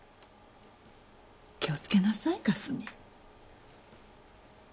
気をつけなさいかすみ。